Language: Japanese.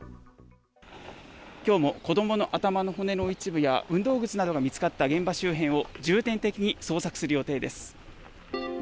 今日も子供の頭の骨の一部や運動靴などが見つかった現場周辺を重点的に捜索する予定です。